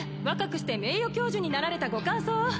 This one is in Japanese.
若くして名誉教授になられたご感想を